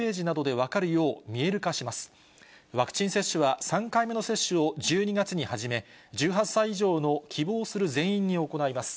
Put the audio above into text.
ワクチン接種は、３回目の接種を１２月に始め、１８歳以上の希望する全員に行います。